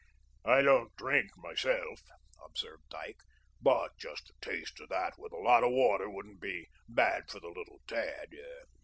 "I don't drink myself," observed Dyke, "but just a taste of that with a lot of water wouldn't be bad for the little tad.